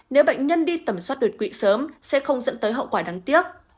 nếu bệnh nhân đi tầm soát đột quỵ sớm sẽ không dẫn tới hậu quả đáng tiếc